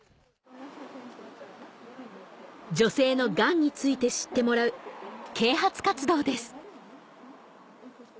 女性のガンについて知ってもらう啓発活動です